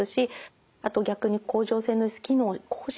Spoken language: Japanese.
あと逆に甲状腺の機能亢進